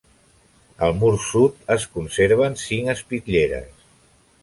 Al mur sud es conserven cinc espitlleres.